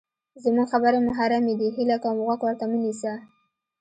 زمونږ خبرې محرمې دي، هیله کوم غوږ ورته مه نیسه!